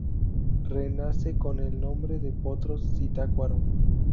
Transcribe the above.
Renace con el nombre de Potros Zitácuaro.